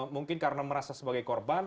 mungkin karena merasa sebagai korban